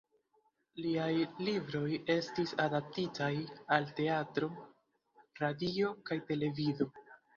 Liaj libroj estis adaptitaj al teatro, radio kaj televido.